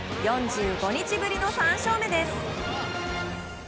４５日ぶりの３勝目です。